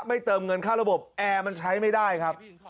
เติมเงินค่าระบบแอร์มันใช้ไม่ได้ครับ